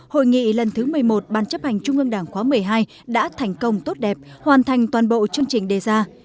hội nghị lần thứ một mươi một ban chấp hành trung ương đảng khóa một mươi hai đã thành công tốt đẹp hoàn thành toàn bộ chương trình đề ra